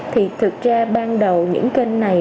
thì thực ra ban đầu những kênh này